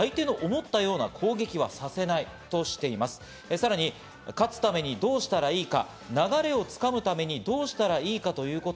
さらに、勝つためにどうしたらいいか、流れを掴むためにどうしたらいいかということ。